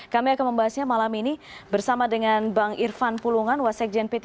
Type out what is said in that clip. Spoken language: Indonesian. kami akan membahasnya malam ini bersama dengan bang irvan pulungan wasek jnp tiga